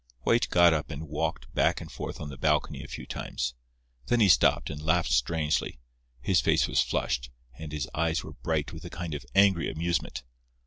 White got up and walked back and forth on the balcony a few times. Then he stopped, and laughed strangely. His face was flushed, and his eyes were bright with a kind of angry amusement.